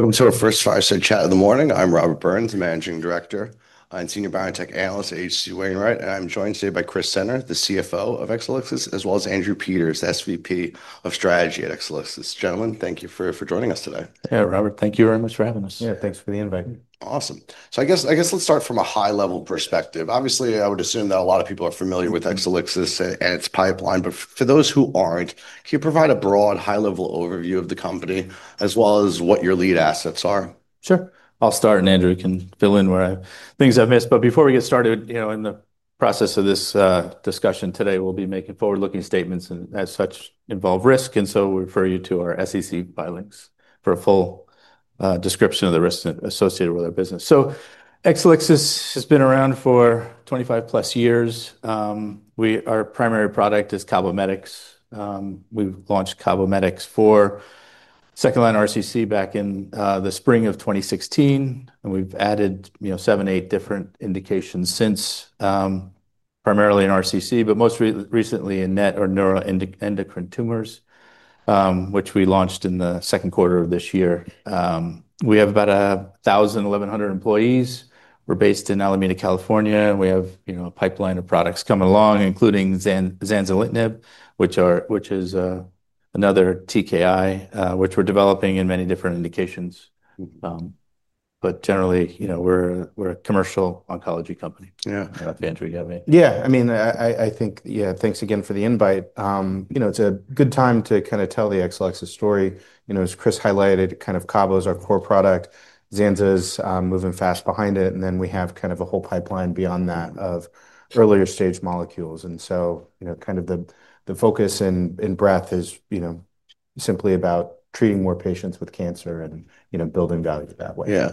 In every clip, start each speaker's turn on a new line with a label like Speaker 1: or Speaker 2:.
Speaker 1: Welcome to our first fireside chat of the morning. I'm Robert Burns, Managing Director and Senior Biotech Analyst at HC Wainwright, and I'm joined today by Chris Senner, the Chief Financial Officer of Exelixis, as well as Andrew Peters, Senior Vice President of Strategy at Exelixis. Gentlemen, thank you for joining us today.
Speaker 2: Yeah, Robert, thank you very much for having us.
Speaker 3: Yeah, thanks for the invite.
Speaker 1: Awesome. I guess let's start from a high-level perspective. Obviously, I would assume that a lot of people are familiar with Exelixis and its pipeline, but for those who aren't, can you provide a broad, high-level overview of the company as well as what your lead assets are?
Speaker 3: Sure. I'll start, and Andrew can fill in where things I've missed. Before we get started, in the process of this discussion today, we'll be making forward-looking statements and as such involve risk, and we refer you to our SEC filings for a full description of the risks associated with our business. Exelixis has been around for 25 plus years. Our primary product is CABOMETYX. We launched CABOMETYX for second-line RCC back in the spring of 2016, and we've added seven, eight different indications since, primarily in RCC, but most recently in NET or neuroendocrine tumors, which we launched in the second quarter of this year. We have about 1,000, 1,100 employees. We're based in Alameda, California, and we have a pipeline of products coming along, including Zanzalintinib, which is another TKI, which we're developing in many different indications. Generally, we're a commercial oncology company.
Speaker 1: Yeah.
Speaker 3: I don't know if Andrew Peters got me.
Speaker 1: Yeah, I mean, I think, yeah, thanks again for the invite. You know, it's a good time to kind of tell the Exelixis story. You know, as Chris highlighted, kind of CABOMETYX is our core product. Zanza is moving fast behind it, and then we have kind of a whole pipeline beyond that of earlier stage molecules. The focus and breadth is simply about treating more patients with cancer and building value that way.
Speaker 3: Yeah.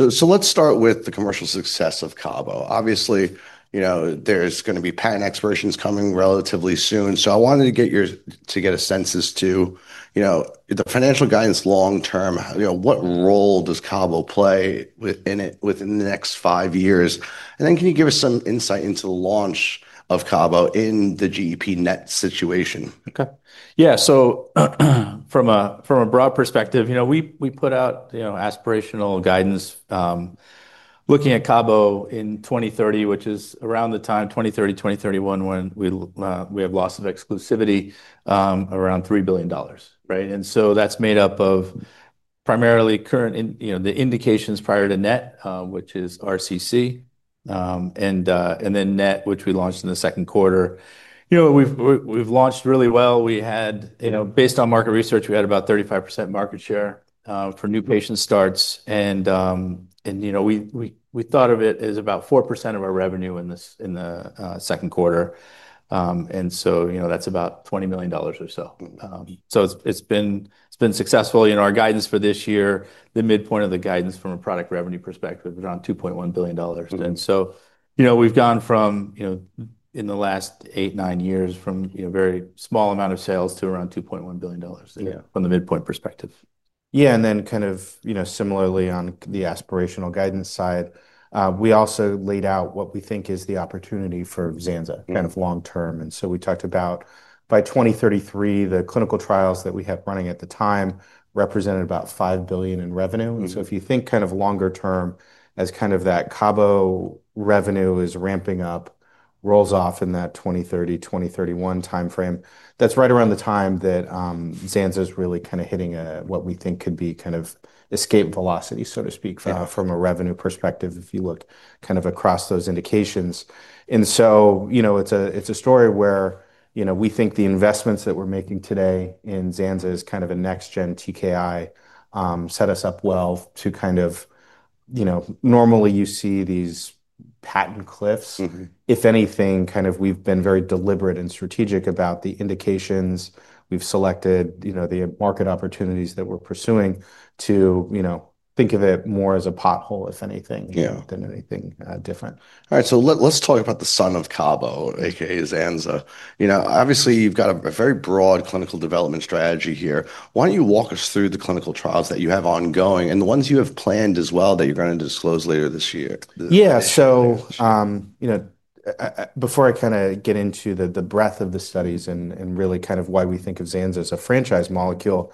Speaker 1: Let's start with the commercial success of CABOMETYX. Obviously, you know, there's going to be PANEX versions coming relatively soon. I wanted to get your, to get a sense as to, you know, the financial guidance long term, you know, what role does CABOMETYX play within the next five years? Can you give us some insight into the launch of CABOMETYX in the GEP-NET situation?
Speaker 3: Okay. Yeah, so from a broad perspective, you know, we put out, you know, aspirational guidance, looking at Cabo in 2030, which is around the time 2030, 2031 when we have loss of exclusivity, around $3 billion. Right. That's made up of primarily current, you know, the indications prior to NET, which is RCC, and then NET, which we launched in the second quarter. You know, we've launched really well. We had, you know, based on market research, we had about 35% market share for new patient starts. You know, we thought of it as about 4% of our revenue in the second quarter, and so, you know, that's about $20 million or so. So it's been, it's been successful. Our guidance for this year, the midpoint of the guidance from a product revenue perspective, around $2.1 billion. You know, we've gone from, you know, in the last eight, nine years, from, you know, a very small amount of sales to around $2.1 billion from the midpoint perspective. Yeah, and then kind of, you know, similarly on the aspirational guidance side, we also laid out what we think is the opportunity for Zanza kind of long term. We talked about by 2033, the clinical trials that we had running at the time represented about $5 billion in revenue. If you think kind of longer term as kind of that Cabo revenue is ramping up, rolls off in that 2030, 2031 timeframe, that's right around the time that Zanza is really kind of hitting what we think could be kind of escape velocity, so to speak, from a revenue perspective, if you look kind of across those indications. You know, it's a story where, you know, we think the investments that we're making today in Zanza as kind of a next-gen TKI set us up well to kind of, you know, normally you see these patent cliffs. If anything, we've been very deliberate and strategic about the indications we've selected, you know, the market opportunities that we're pursuing to, you know, think of it more as a pothole, if anything, than anything different.
Speaker 1: All right, let's talk about the son of Cabo, aka Zanza. Obviously, you've got a very broad clinical development strategy here. Why don't you walk us through the clinical trials that you have ongoing and the ones you have planned as well that you're going to disclose later this year?
Speaker 3: Yeah, so, you know, before I kind of get into the breadth of the studies and really kind of why we think of Zanza as a franchise molecule,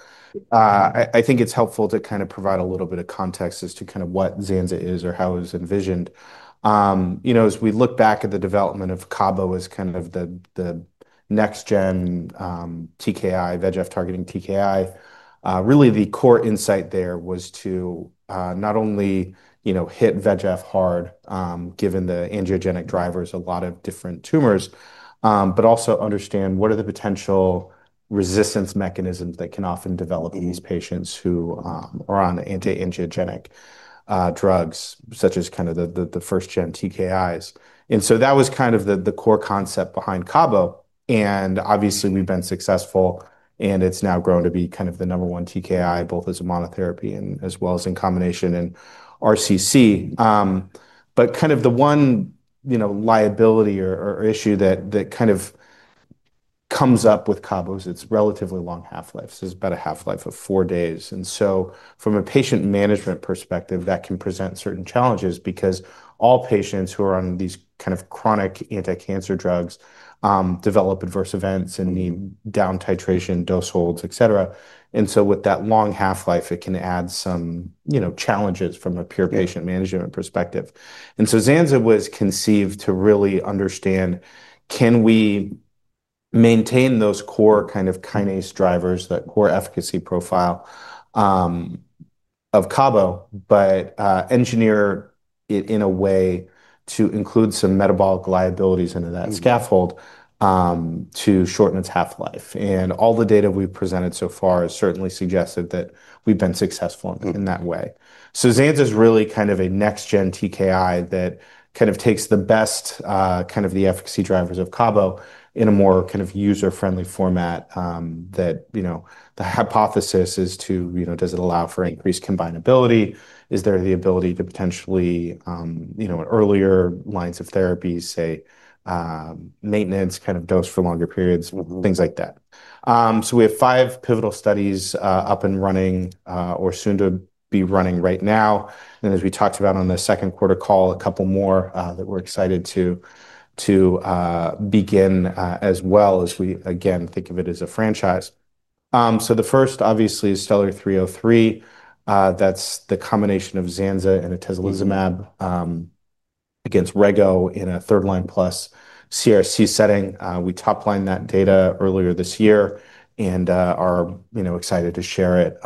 Speaker 3: I think it's helpful to kind of provide a little bit of context as to kind of what Zanza is or how it was envisioned. You know, as we look back at the development of Cabo as kind of the next-gen TKI, VEGF targeting TKI, really the core insight there was to not only, you know, hit VEGF hard, given the angiogenic drivers, a lot of different tumors, but also understand what are the potential resistance mechanisms that can often develop in these patients who are on anti-angiogenic drugs, such as kind of the first-gen TKIs. That was kind of the core concept behind Cabo. Obviously, we've been successful, and it's now grown to be kind of the number one TKI, both as a monotherapy and as well as in combination in RCC. The one, you know, liability or issue that kind of comes up with Cabo is its relatively long half-life. It's about a half-life of four days. From a patient management perspective, that can present certain challenges because all patients who are on these kind of chronic anti-cancer drugs develop adverse events and need down-titration, dose holds, et cetera. With that long half-life, it can add some, you know, challenges from a pure patient management perspective. Zanza was conceived to really understand, can we maintain those core kind of kinase drivers, that core efficacy profile of Cabo, but engineer it in a way to include some metabolic liabilities under that scaffold to shorten its half-life. All the data we've presented so far has certainly suggested that we've been successful in that way. Zanza is really kind of a next-gen TKI that kind of takes the best, kind of the efficacy drivers of Cabo in a more kind of user-friendly format. The hypothesis is to, you know, does it allow for increased combinability? Is there the ability to potentially, you know, earlier lines of therapies, say, maintenance, kind of dose for longer periods, things like that. We have five pivotal studies up and running, or soon to be running right now. As we talked about on the second quarter call, a couple more that we're excited to begin, as well as we, again, think of it as a franchise. The first, obviously, is STELLAR-303. That's the combination of Zanza and atezolizumab against Rego in a third-line+ CRC setting. We toplined that data earlier this year and are excited to share it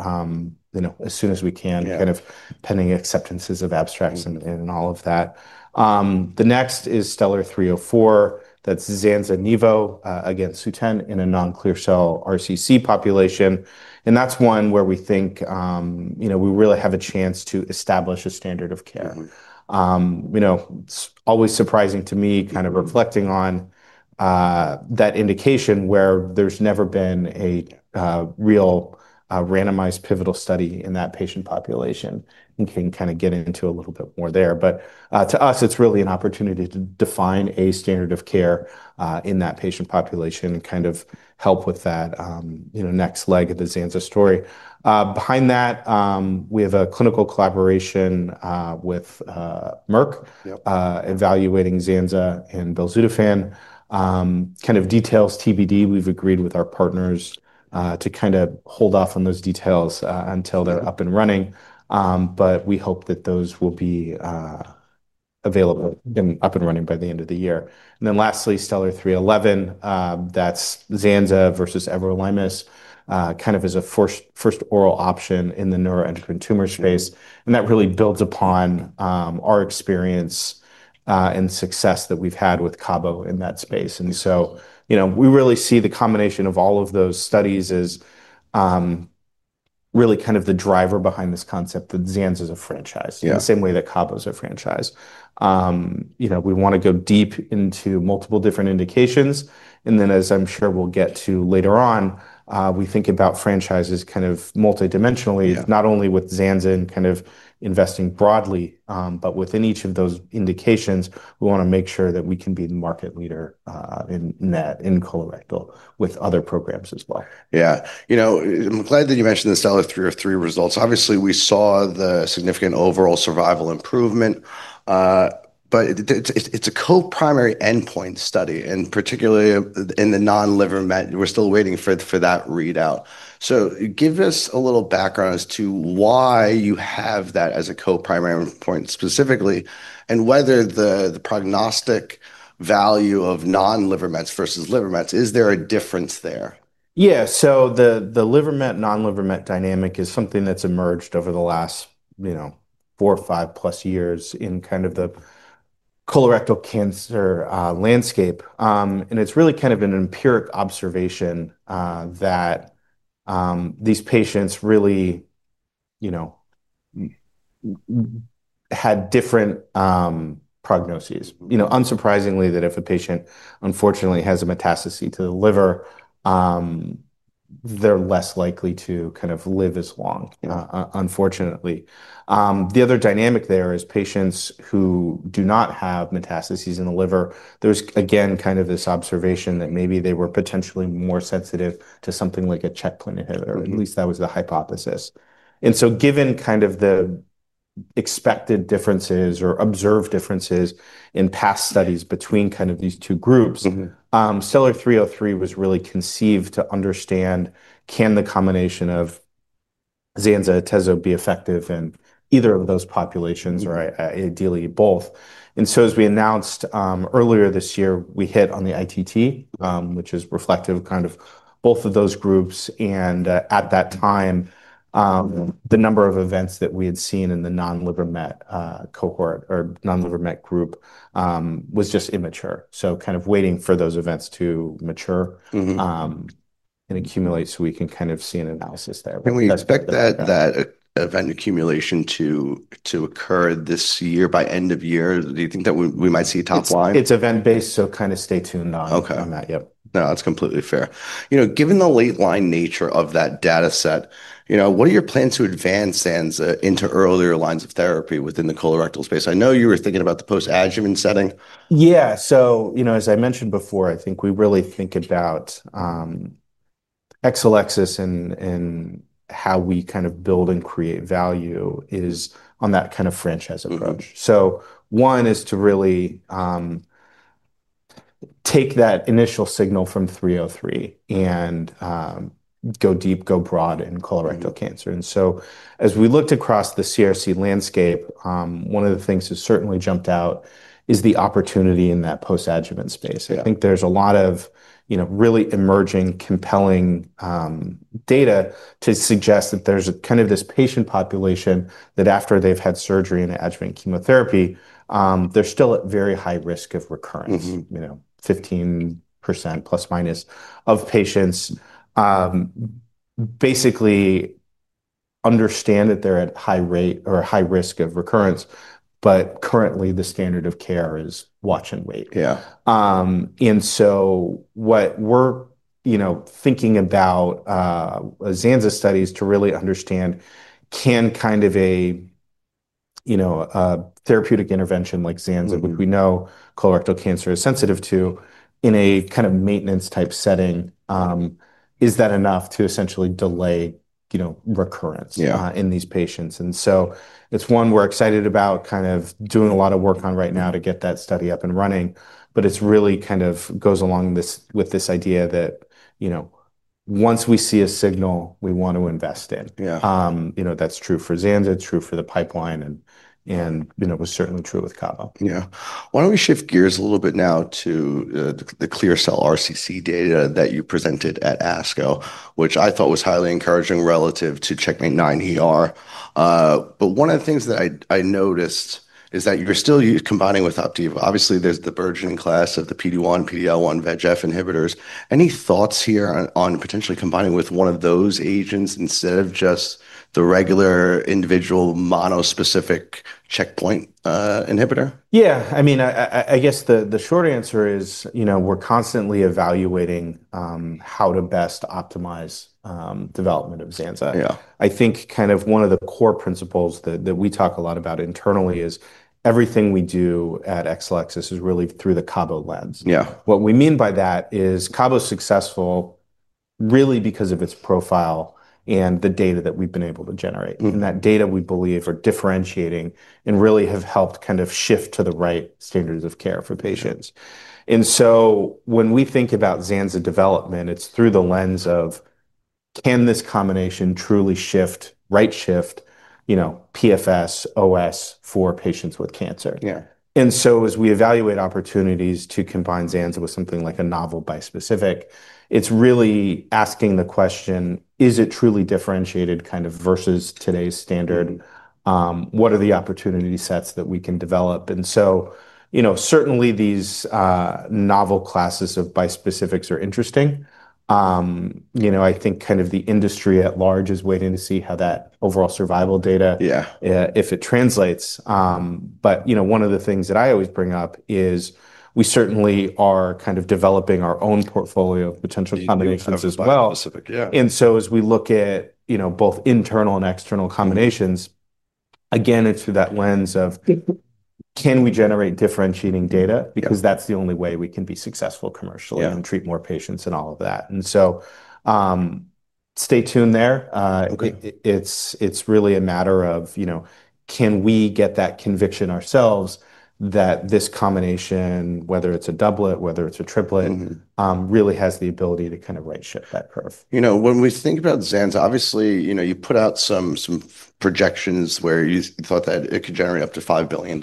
Speaker 3: as soon as we can, pending acceptances of abstracts and all of that. The next is STELLAR-304. That's Zanza nivo against Sutent in a non-clear cell RCC population. That's one where we think we really have a chance to establish a standard of care. It's always surprising to me, reflecting on that indication where there's never been a real randomized pivotal study in that patient population. We can get into a little bit more there. To us, it's really an opportunity to define a standard of care in that patient population and help with that next leg of the Zanza story. Behind that, we have a clinical collaboration with Merck, evaluating Zanza and balsudafen. Details TBD, we've agreed with our partners to hold off on those details until they're up and running. We hope that those will be available and up and running by the end of the year. Lastly, STELLAR-311, that's Zanza versus everolimus as a first oral option in the neuroendocrine tumor space. That really builds upon our experience and success that we've had with Cabo in that space. We really see the combination of all of those studies as the driver behind this concept that Zanza is a franchise, in the same way that Cabo is a franchise. We want to go deep into multiple different indications. As I'm sure we'll get to later on, we think about franchises multidimensionally, not only with Zanza and investing broadly, but within each of those indications, we want to make sure that we can be the market leader in NET, in colorectal, with other programs as well.
Speaker 1: Yeah, you know, I'm glad that you mentioned the STELLAR-303 results. Obviously, we saw the significant overall survival improvement, but it's a co-primary endpoint study, and particularly in the non-liver met, we're still waiting for that readout. Give us a little background as to why you have that as a co-primary endpoint specifically, and whether the prognostic value of non-liver mets versus liver mets, is there a difference there?
Speaker 3: Yeah, so the liver met, non-liver met dynamic is something that's emerged over the last four or five plus years in kind of the colorectal cancer landscape. It's really kind of an empiric observation that these patients really had different prognoses. Unsurprisingly, if a patient unfortunately has a metastasis to the liver, they're less likely to kind of live as long, unfortunately. The other dynamic there is patients who do not have metastases in the liver, there's again kind of this observation that maybe they were potentially more sensitive to something like a checkpoint inhibitor, at least that was the hypothesis. Given kind of the expected differences or observed differences in past studies between these two groups, STELLAR-303 was really conceived to understand, can the combination of Zanzalintinib and atezolizumab be effective in either of those populations, or ideally both? As we announced earlier this year, we hit on the ITT, which is reflective of both of those groups. At that time, the number of events that we had seen in the non-liver met cohort or non-liver met group was just immature. Waiting for those events to mature and accumulate so we can see an analysis there.
Speaker 1: Can we expect that event accumulation to occur this year by end of year? Do you think that we might see top line?
Speaker 3: It's event-based, so kind of stay tuned on that.
Speaker 1: Okay. No, that's completely fair. Given the late line nature of that data set, what are your plans to advance Zanza into earlier lines of therapy within the colorectal space? I know you were thinking about the post-adjuvant setting.
Speaker 3: Yeah, as I mentioned before, I think we really think about Exelixis and how we kind of build and create value is on that kind of franchise approach. One is to really take that initial signal from 303 and go deep, go broad in colorectal cancer. As we looked across the CRC landscape, one of the things that certainly jumped out is the opportunity in that post-adjuvant space. I think there's a lot of really emerging, compelling data to suggest that there's kind of this patient population that after they've had surgery and adjuvant chemotherapy, they're still at very high risk of recurrence. 15% plus minus of patients basically understand that they're at high rate or high risk of recurrence, but currently the standard of care is watch and wait.
Speaker 1: Yeah.
Speaker 3: What we're thinking about, Zanza studies to really understand, can kind of a therapeutic intervention like Zanza, which we know colorectal cancer is sensitive to, in a kind of maintenance type setting, is that enough to essentially delay recurrence in these patients. It's one we're excited about, doing a lot of work on right now to get that study up and running. It really goes along with this idea that once we see a signal, we want to invest in.
Speaker 1: Yeah.
Speaker 3: That's true for Zanza, it's true for the pipeline, and it was certainly true with Cabo.
Speaker 1: Yeah. Why don't we shift gears a little bit now to the clear cell RCC data that you presented at ASCO, which I thought was highly encouraging relative to CheckMate 9ER. One of the things that I noticed is that you're still combining with nivolumab. Obviously, there's the burgeoning class of the PD-1, PD-L1 VEGF inhibitors. Any thoughts here on potentially combining with one of those agents instead of just the regular individual monospecific checkpoint inhibitor?
Speaker 3: Yeah, I mean, I guess the short answer is, you know, we're constantly evaluating how to best optimize development of Zanza.
Speaker 1: Yeah.
Speaker 3: I think kind of one of the core principles that we talk a lot about internally is everything we do at Exelixis is really through the Cabo lens.
Speaker 1: Yeah.
Speaker 3: What we mean by that is Cabo is successful really because of its profile and the data that we've been able to generate. That data we believe are differentiating and really have helped kind of shift to the right standards of care for patients. When we think about Zanza development, it's through the lens of can this combination truly shift, right shift, you know, PFS, OS for patients with cancer.
Speaker 1: Yeah.
Speaker 3: As we evaluate opportunities to combine Zanza with something like a novel bispecific, it's really asking the question, is it truly differentiated kind of versus today's standard? What are the opportunity sets that we can develop? Certainly, these novel classes of bispecifics are interesting. I think kind of the industry at large is waiting to see how that overall survival data.
Speaker 1: Yeah.
Speaker 3: If it translates, one of the things that I always bring up is we certainly are kind of developing our own portfolio of potential combinations as well.
Speaker 1: Yeah.
Speaker 3: As we look at both internal and external combinations, it's through that lens of can we generate differentiating data because that's the only way we can be successful commercially and treat more patients and all of that. Stay tuned there. It's really a matter of can we get that conviction ourselves that this combination, whether it's a doublet or a triplet, really has the ability to kind of right shift that curve.
Speaker 1: You know, when we think about Zanza, obviously, you put out some projections where you thought that it could generate up to $5 billion,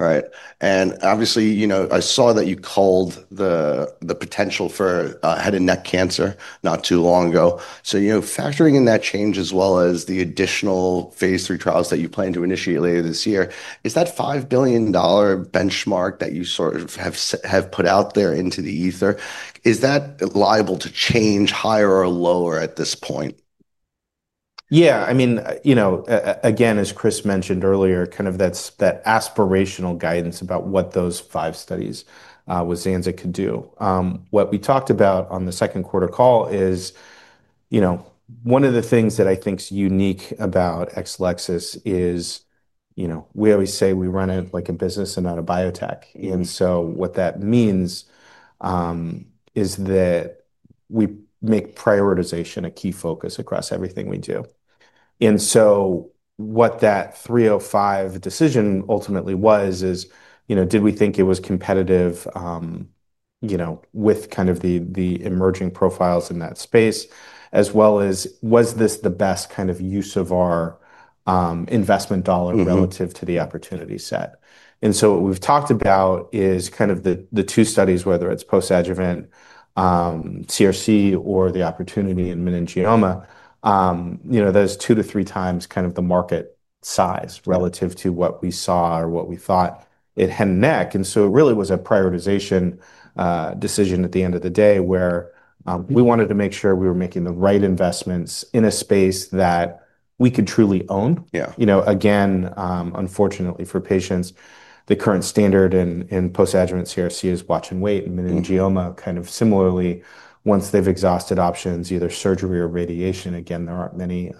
Speaker 1: right? Obviously, I saw that you called the potential for head and neck cancer not too long ago. Factoring in that change as well as the additional phase 3 trials that you plan to initiate later this year, is that $5 billion benchmark that you sort of have put out there into the ether? Is that liable to change higher or lower at this point?
Speaker 3: Yeah, I mean, you know, again, as Chris mentioned earlier, kind of that aspirational guidance about what those five studies with Zanza could do. What we talked about on the second quarter call is, you know, one of the things that I think is unique about Exelixis is, you know, we always say we run it like a business and not a biotech. What that means is that we make prioritization a key focus across everything we do. What that 305 decision ultimately was is, you know, did we think it was competitive, you know, with kind of the emerging profiles in that space, as well as was this the best kind of use of our investment dollar relative to the opportunity set? What we've talked about is kind of the two studies, whether it's post-adjuvant colorectal cancer or the opportunity in meningioma, you know, those two to three times kind of the market size relative to what we saw or what we thought in head and neck. It really was a prioritization decision at the end of the day where we wanted to make sure we were making the right investments in a space that we could truly own.
Speaker 1: Yeah.
Speaker 3: You know, unfortunately for patients, the current standard in post-adjuvant colorectal cancer is watch and wait, and meningioma kind of similarly, once they've exhausted options, either surgery or radiation, there aren't many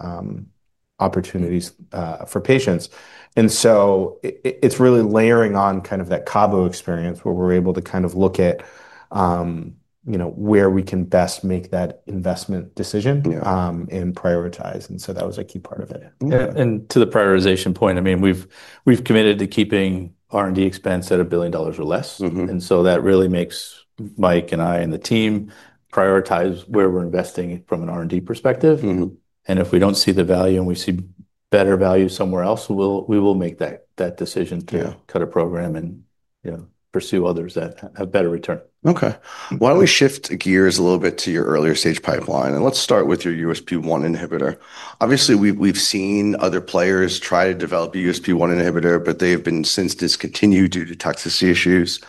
Speaker 3: opportunities for patients. It's really layering on kind of that CABOMETYX experience where we're able to look at where we can best make that investment decision and prioritize. That was a key part of it.
Speaker 1: To the prioritization point, we've committed to keeping R&D expense at $1 billion or less. That really makes Mike and I and the team prioritize where we're investing from an R&D perspective. If we don't see the value and we see better value somewhere else, we will make that decision to cut a program and pursue others that have better return.
Speaker 3: Okay.
Speaker 1: Why don't we shift gears a little bit to your earlier stage pipeline? Let's start with your USP-1 inhibitor. Obviously, we've seen other players try to develop a USP-1 inhibitor, but they have been since discontinued due to toxicity issues.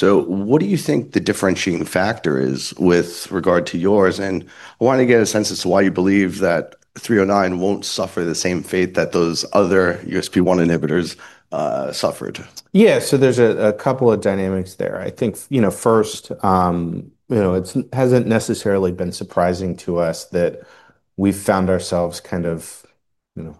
Speaker 1: What do you think the differentiating factor is with regard to yours? I want to get a sense as to why you believe that 309 won't suffer the same fate that those other USP-1 inhibitors suffered.
Speaker 3: Yeah, so there's a couple of dynamics there. I think, first, it hasn't necessarily been surprising to us that we found ourselves kind of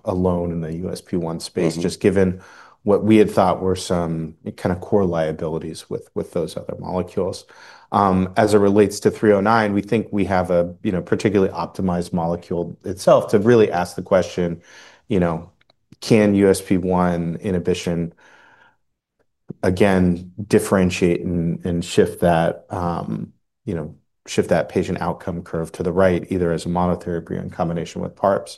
Speaker 3: alone in the USP-1 space, just given what we had thought were some kind of core liabilities with those other molecules. As it relates to 309, we think we have a particularly optimized molecule itself to really ask the question, can USP-1 inhibition again differentiate and shift that patient outcome curve to the right, either as a monotherapy or in combination with PARPs?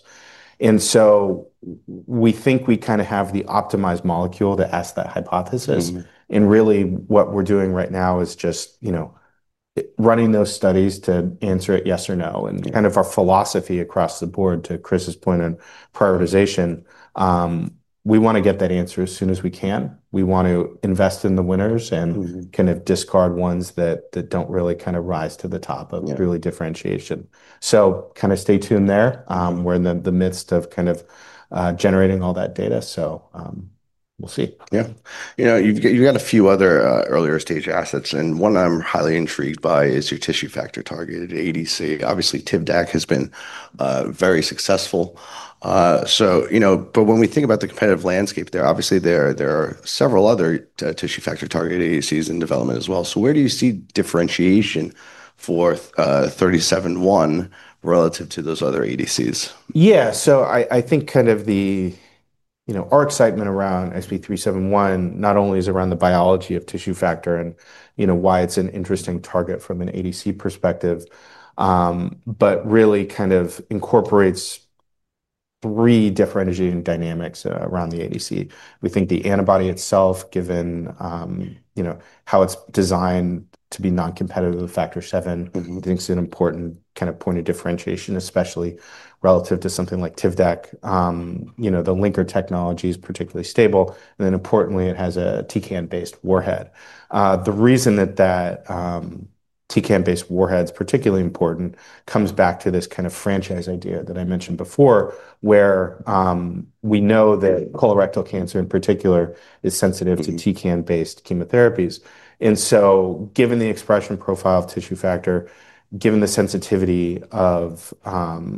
Speaker 3: We think we kind of have the optimized molecule to ask that hypothesis. Really what we're doing right now is just running those studies to answer it yes or no. Our philosophy across the board, to Chris's point on prioritization, is we want to get that answer as soon as we can. We want to invest in the winners and discard ones that don't really rise to the top of differentiation. Stay tuned there. We're in the midst of generating all that data. We'll see.
Speaker 1: Yeah. You know, you've got a few other, earlier stage assets. One I'm highly intrigued by is your tissue factor targeted ADC. Obviously, TIBC has been very successful. When we think about the competitive landscape there, obviously there are several other tissue factor targeted ADCs in development as well. Where do you see differentiation for SP-371 relative to those other ADCs?
Speaker 3: Yeah, I think our excitement around SP-371 is not only around the biology of tissue factor and why it's an interesting target from an antibody-drug conjugate (ADC) perspective, but really incorporates three differentiating dynamics around the ADC. We think the antibody itself, given how it's designed to be non-competitive with factor VII, is an important point of differentiation, especially relative to something like TIBC. The linker technology is particularly stable, and then, importantly, it has a TCAN-based warhead. The reason that TCAN-based warhead is particularly important comes back to this franchise idea that I mentioned before, where we know that colorectal cancer in particular is sensitive to TCAN-based chemotherapies. Given the expression profile of tissue factor and the sensitivity of colorectal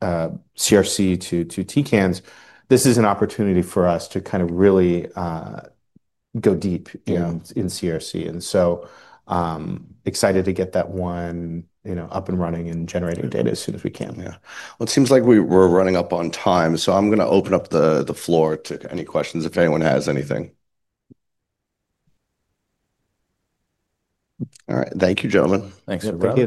Speaker 3: cancer to TCANs, this is an opportunity for us to really go deep in colorectal cancer. We're excited to get that one up and running and generating data as soon as we can.
Speaker 1: It seems like we're running up on time. I'm going to open up the floor to any questions if anyone has anything. All right. Thank you, gentlemen.
Speaker 3: Thanks, everybody.